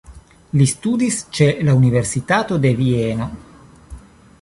Li studis ĉe la Universitato de Vieno.